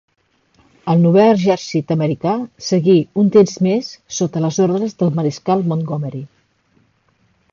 El Novè Exèrcit americà seguí un temps més sota les ordres del Mariscal Montgomery.